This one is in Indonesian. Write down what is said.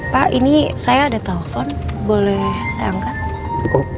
pak ini saya ada telepon boleh saya angkat